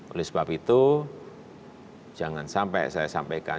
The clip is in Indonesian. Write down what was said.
oleh sebab itu jangan sampai saya sampaikan